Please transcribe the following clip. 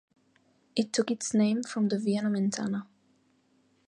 It took its name from the Via Nomentana.